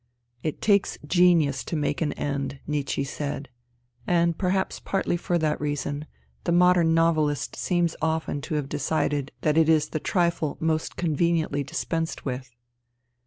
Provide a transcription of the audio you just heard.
" It takes genius to make an end," Nietzsche said ; and, perhaps partly for that reason, the modern novelist seems often to have decided that it is the trifle most conveniently dispensed with.